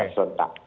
yang ada serentak